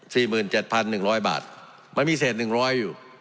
หมื่นเจ็ดพันหนึ่งร้อยบาทมันมีเศษหนึ่งร้อยอยู่